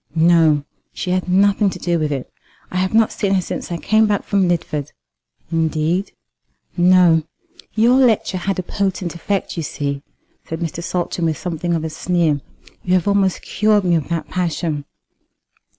"No; she had nothing to do with it. I have not seen her since I came back from Lidford." "Indeed!" "No. Your lecture had a potent effect, you see," said Mr. Saltram, with something of a sneer. "You have almost cured me of that passion."